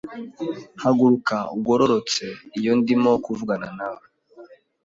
Haguruka ugororotse iyo ndimo kuvugana nawe!